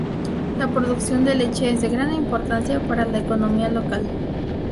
La producción de leche es de gran importancia para la economía local.